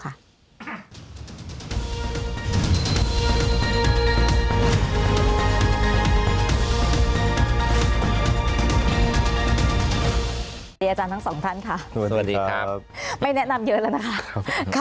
สวัสดีอาจารย์ทั้งสองท่านค่ะสวัสดีครับไม่แนะนำเยอะแล้วนะคะ